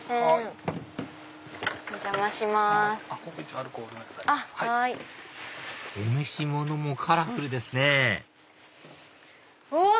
お召し物もカラフルですねうわっ！